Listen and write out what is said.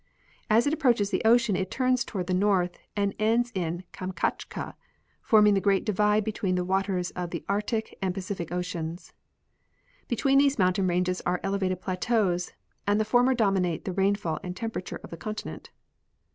As it approaches the ocean it turns toward the north and ends in Kamchatka, forming the great divide between the waters of the Arctic and Pacific oceans. Between these mountain ranges are elevated plateaus, and the former dominate the rainfall and temperature of the continent.